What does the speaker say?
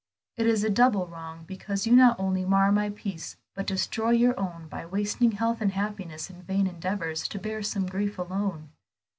It is a double wrong, because you not only mar my peace but destroy your own by wasting health and happiness in vain endeavors to bear some grief alone.